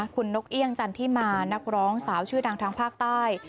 คุณนกเอี่ยงจันทิมานักร้องสาวชื่อดังทางภาคใต้